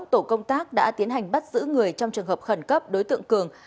tổ công tác đã tiến hành bắt giữ người trong trường hợp khẩn cấp đối tượng cường